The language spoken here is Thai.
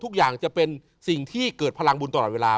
ทุกอย่างจะเป็นสิ่งที่เกิดพลังบุญตลอดเวลา